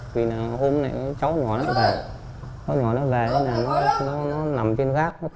điện thoại của quán